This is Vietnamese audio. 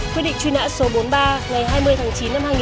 quyết định truy nã số ba ngày hai mươi tháng chín năm hai nghìn sáu